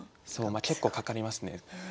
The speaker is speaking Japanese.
結構かかりますね。